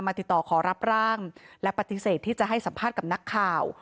ติดต่อขอรับร่างและปฏิเสธที่จะให้สัมภาษณ์กับนักข่าว